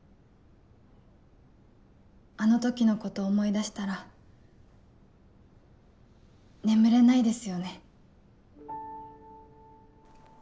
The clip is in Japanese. あの時のこと思い出したら眠れないですよね。